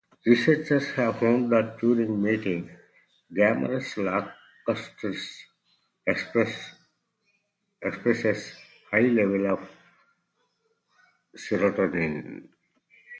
Researchers have found that during mating "Gammarus lacustris" expresses high levels of serotonin.